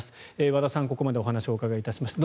和田さんにここまでお話をお伺いしました。